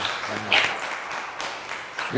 assalamu'alaikum warahmatullahi wabarakatuh